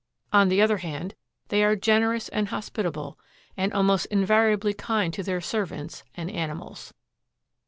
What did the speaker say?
On the other hand, they are generous and hospitable, and almost invariably kind to their servants and animals.